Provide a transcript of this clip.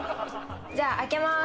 じゃあ開けます。